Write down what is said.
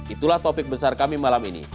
itulah topik besar kami malam ini